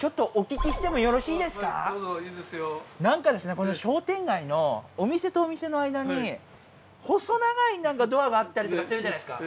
この商店街のお店とお店の間に細長い何かドアがあったりとかしてるじゃないですか